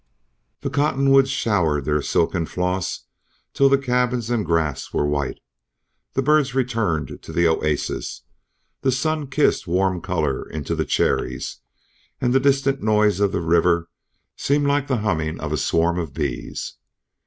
The cottonwoods showered silken floss till the cabins and grass were white; the birds returned to the oasis; the sun kissed warm color into the cherries, and the distant noise of the river seemed like the humming of a swarm of bees.